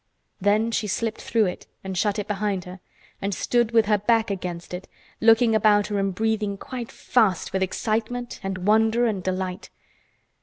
Then she slipped through it, and shut it behind her, and stood with her back against it, looking about her and breathing quite fast with excitement, and wonder, and delight.